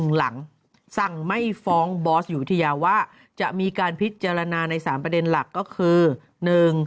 หลังสั่งไม่ฟ้องบอสอยู่วิทยาว่าจะมีการพิจารณาในสามประเด็นหลักก็คือ